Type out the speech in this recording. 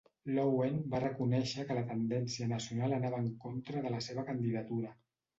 Loewen va reconèixer que la tendència nacional anava en contra de la seva candidatura.